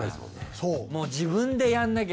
そう。